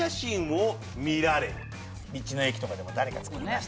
道の駅とかでも誰が作りました。